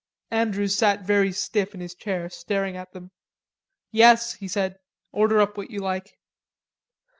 Andrews sat very stiff in his chair, staring at them. "Yes," he said, "order up what you like."